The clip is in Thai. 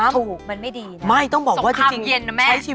เงียบเอาอย่างนี้